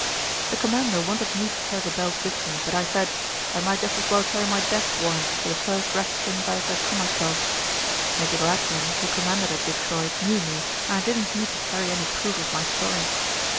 "The commander wanted me to carry the belt with me, but I said, 'I might jest as well carry my death warrant to the first redskins as I come across.' Major Gladwin, who commanded at Detroit, knew me, and I didn't need to carry any proof of my story.